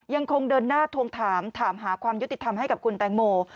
ยังคงเดินหน้าทวงถามถามหาความยุติธรรมให้กับคุณแตงโม